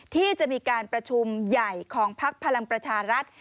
ที่จะมีการประชุมใหญ่ของพักพลังประชารัฐ